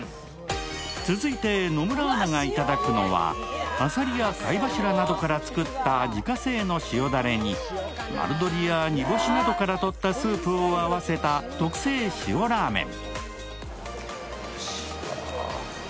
続いて、野村アナがいただくのはあさりや貝柱などから作った自家製の塩だれに丸鶏や煮干しから取ったスープを合わせた特製塩ラーメン。